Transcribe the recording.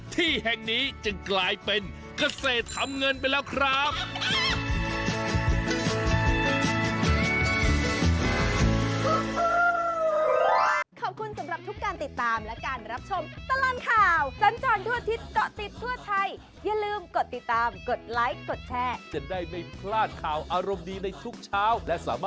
ที่แห่งนี้จึงกลายเป็นเกษตรทำเงินไปแล้วครับ